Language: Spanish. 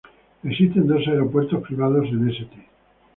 Existen dos aeropuertos privados en St.